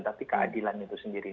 tapi keadilan itu sendiri